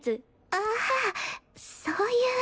ああそういう。